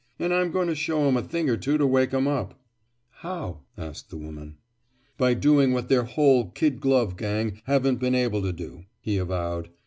And I'm going to show 'em a thing or two to wake 'em up." "How?" asked the woman. "By doing what their whole kid glove gang haven't been able to do," he avowed.